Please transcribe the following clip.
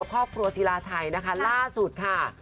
ครอบครัวศิลาชัยนะคะล่าสุดค่ะ